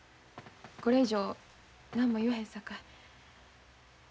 これ以上何も言わへんさかい。